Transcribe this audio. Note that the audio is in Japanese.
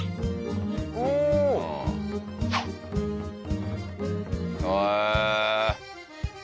おお！へえ！